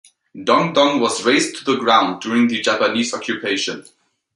Dongdung was razed to the ground during the Japanese occupation.